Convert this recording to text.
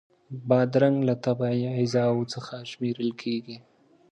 بادرنګ له طبعی غذاوو څخه شمېرل کېږي.